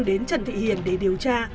đến trần thị hiền để điều tra